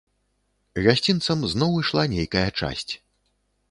Гасцінцам зноў ішла нейкая часць.